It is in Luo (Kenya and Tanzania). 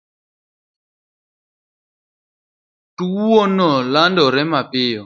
Tuwono landore mapiyo.